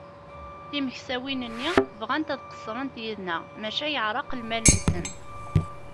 Timeksawin-nni bɣant ad qeṣṣrent yid-neɣ, maca yeɛreq lmal-nsent.